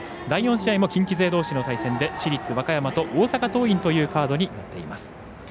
第４試合も近畿勢どうしの対戦で市立和歌山と大阪桐蔭というカードになっています。